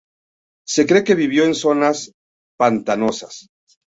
Se cree que vivió en zonas pantanosas.